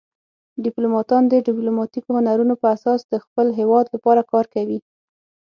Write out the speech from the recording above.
ډیپلوماتان د ډیپلوماتیکو هنرونو په اساس د خپل هیواد لپاره کار کوي